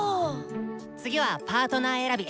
次はパートナー選び。